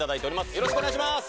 よろしくお願いします